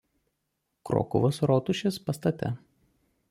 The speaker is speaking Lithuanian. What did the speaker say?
Krokuvos rotušės pastate.